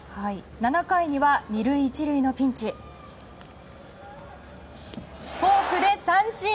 ７回には２塁１塁のピンチフォークで三振。